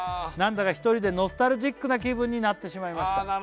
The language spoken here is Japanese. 「何だか１人でノスタルジックな気分になってしまいました」